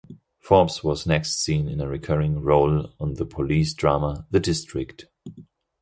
Forbes was next seen in a recurring role on the police drama "The District".